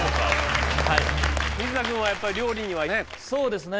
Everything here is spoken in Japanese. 水田君はやっぱ料理にはね。